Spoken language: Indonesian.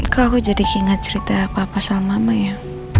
kau jadi kaget cerita apa apa soal mama ya